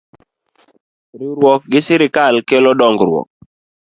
Riwruok gi Sirkal kelo dongruok